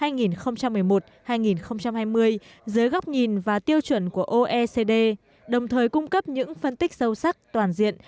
năm hai nghìn hai mươi dưới góc nhìn và tiêu chuẩn của oecd đồng thời cung cấp những phân tích sâu sắc toàn diện